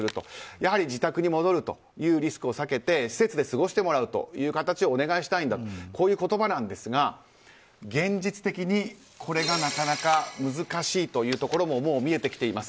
やはり自宅に戻るというリスクを避けて施設で過ごしてもらう形でお願いしたいんだとこういう言葉ですが現実的にこれがなかなか難しいというところももう見えてきています。